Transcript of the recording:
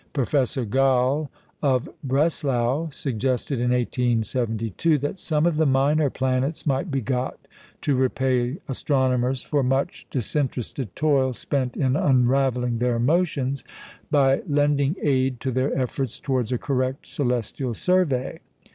Professor Galle of Breslau suggested in 1872 that some of the minor planets might be got to repay astronomers for much disinterested toil spent in unravelling their motions, by lending aid to their efforts towards a correct celestial survey.